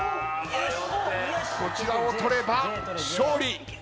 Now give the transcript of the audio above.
こちらを取れば勝利。